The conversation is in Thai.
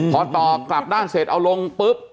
พอต่อกลับด้านเสร็จเอาลงปุ๊บ